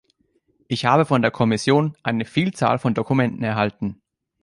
Ich habe von der Kommission eine Vielzahl von Dokumenten erhalten.